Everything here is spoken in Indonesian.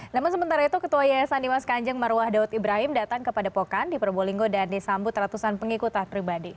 namun sementara itu ketua yayasan dimas kanjeng marwah daud ibrahim datang ke padepokan di probolinggo dan disambut ratusan pengikut taat pribadi